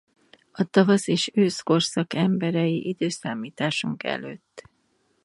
A tavasz és ősz korszak emberei i.e.